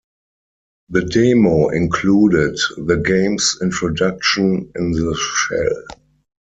The demo included the game's introduction in the shell.